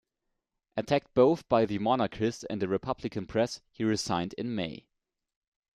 Attacked both by the monarchist and the republican press, he resigned in May.